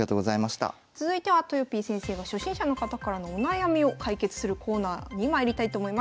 続いてはとよぴー先生が初心者の方からのお悩みを解決するコーナーにまいりたいと思います。